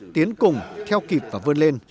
tiến cùng theo kịp và vươn lên